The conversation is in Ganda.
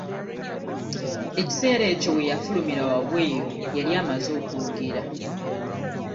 Ekiseera ekyo we yafulumira wabweru yali amaze okwogera .